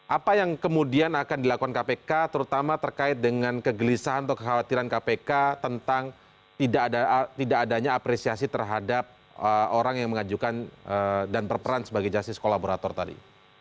apa yang kemudian akan dilakukan kpk terutama terkait dengan kegelisahan atau kekhawatiran kpk tentang tidak adanya apresiasi terhadap orang yang mengajukan dan berperan sebagai justice kolaborator tadi